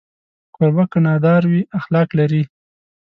کوربه که نادار وي، اخلاق لري.